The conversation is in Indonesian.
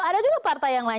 ada juga partai yang lain